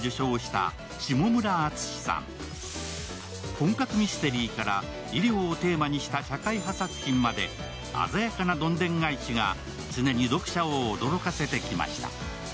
本格ミステリーから医療をテーマにした社会派作品まで鮮やかなどんでん返しが常に読者を驚かせてきました。